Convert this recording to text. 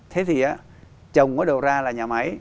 thế thì trồng có đầu ra là nhà máy